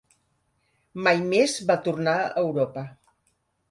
Mai més va tornar a Europa.